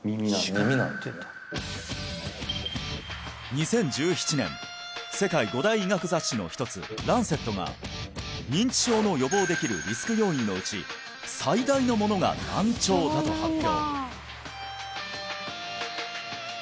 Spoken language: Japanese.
２０１７年世界五大医学雑誌の一つ「Ｌａｎｃｅｔ」が認知症の予防できるリスク要因のうち最大のものが「難聴」だと発表！